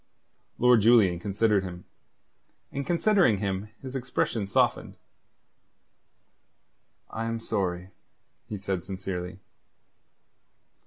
Lord Julian considered him, and considering him his expression softened. "I am sorry," he said sincerely.